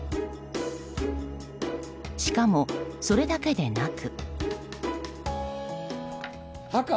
しかも、それだけでなく。